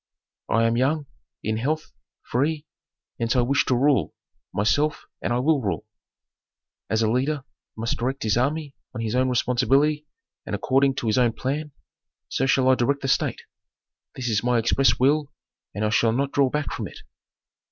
I am young, in health, free, hence I wish to rule, myself, and will rule. As a leader must direct his army on his own responsibility and according to his own plan, so shall I direct the state. This is my express will and I shall not draw back from it.